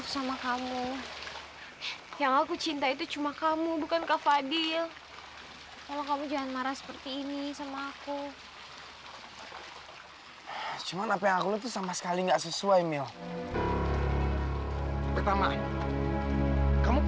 sampai jumpa di video selanjutnya